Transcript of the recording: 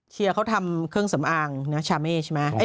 เค้าทำเครื่องสำอางครับชาเม่ใช่ไหม